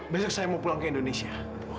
besok saya mau pulang ke indonesia